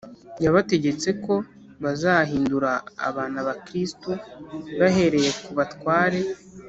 Yabategetse ko bazahindura abantu abakristu bahereye ku batware